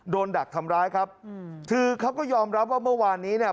ดักทำร้ายครับอืมคือเขาก็ยอมรับว่าเมื่อวานนี้เนี่ย